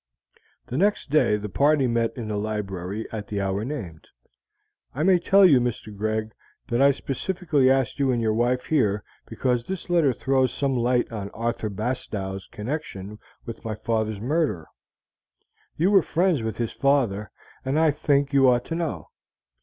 The next day the party met in the library at the hour named. "I may tell you, Mr. Greg, that I specially asked you and your wife here because this letter throws some light on Arthur Bastow's connection with my father's murder; you were friends with his father, and I think you ought to know.